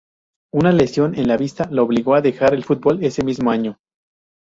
Una lesión en la vista lo obligó a dejar el fútbol ese mismo año.